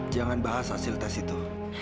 jangan bahas hasil tes itu